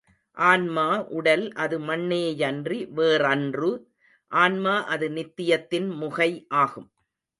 ஆன்மா உடல் அது மண்ணேயன்றி வேறன்று ஆன்மா அது நித்தியத்தின் முகை ஆகும்.